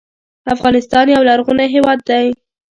افغانستان یو لرغونی هېواد دی.